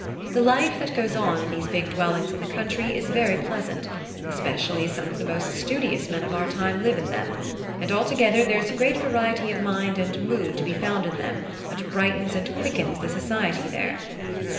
The life that goes on in these big dwellings in the country is very pleasant, especially as some of the most studious men of our time live in them, and altogether there is a great variety of mind and mood to be found in them which brightens and quickens the society there."